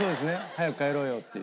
早く帰ろうよっていう。